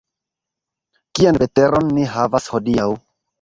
Kian veteron ni havas hodiaŭ?